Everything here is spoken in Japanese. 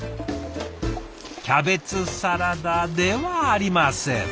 キャベツサラダではありません。